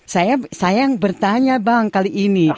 saya yang bertanya bang kali ini